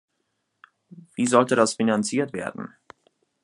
Wie sollte das finanziert werden?